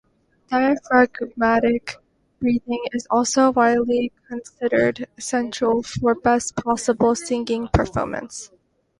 Diaphragmatic breathing is also widely considered essential for best possible singing performance.